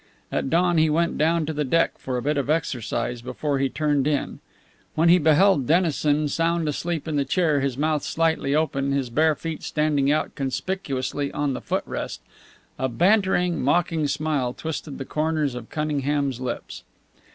At dawn he went down to the deck for a bit of exercise before he turned in. When he beheld Dennison sound asleep in the chair, his mouth slightly open, his bare feet standing out conspicuously on the foot rest, a bantering, mocking smile twisted the corners of Cunningham's lips.